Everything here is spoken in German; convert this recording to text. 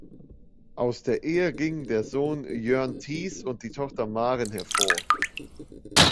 Aus der Ehe gingen der Sohn Jörn Thiess und die Tochter Maren hervor.